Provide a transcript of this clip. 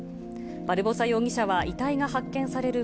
バルボサ容疑者は遺体が発見される